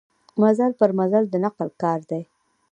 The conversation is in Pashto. مزل پر مزل د نقل کار دی.